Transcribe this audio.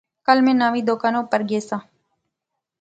کل میں نویں دکاناں اوپر گیساں